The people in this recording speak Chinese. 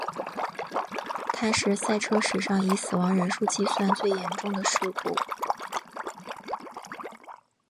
它是赛车史上以死亡人数计算最严重的事故。